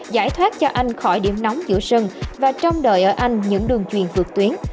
giải thoát cho anh khỏi điểm nóng giữa sân và trong đời ở anh những đường truyền vượt tuyến